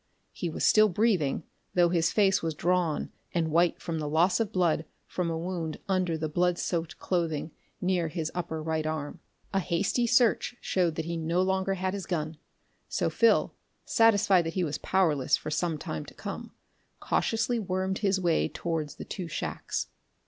He was still breathing, though his face was drawn and white from the loss of blood from a wound under the blood soaked clothing near his upper right arm. A hasty search showed that he no longer had his gun, so Phil, satisfied that he was powerless for some time to come, cautiously wormed his way towards the two shacks.